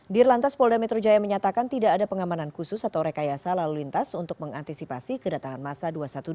di lantas polda metro jaya menyatakan tidak ada pengamanan khusus atau rekayasa lalu lintas untuk mengantisipasi kedatangan masa dua ratus dua belas